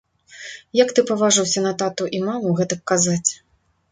Як ты паважыўся на тату і маму гэтак казаць.